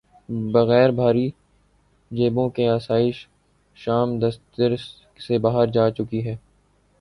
بغیر بھاری جیبوں کے آسائش شام دسترس سے باہر جا چکی ہیں۔